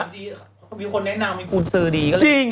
พี่คุณแนะนำมีคุณซื้อดี